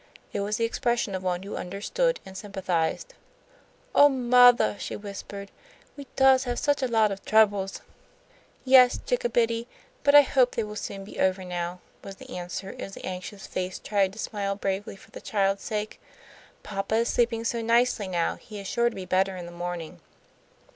It was the expression of one who understood and sympathized. "Oh, mothah," she whispered, "we does have such lots of troubles." "Yes, chickabiddy, but I hope they will soon be over now," was the answer, as the anxious face tried to smile bravely for the child's sake, "Papa is sleeping so nicely now he is sure to be better in the morning."